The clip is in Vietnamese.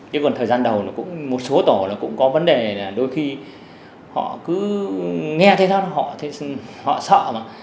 thế còn thời gian đầu là cũng một số tổ là cũng có vấn đề là đôi khi họ cứ nghe thế thôi họ sợ mà